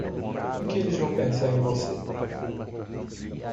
O que eles vão pensar em você?